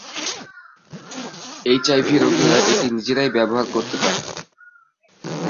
HIV রোগীরা এটি নিজেরাই ব্যবহার করতে পারে।